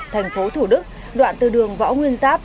tp thủ đức đoạn từ đường võ nguyên giáp